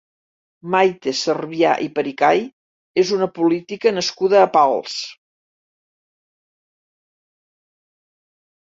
Maite Servià i Pericay és una política nascuda a Pals.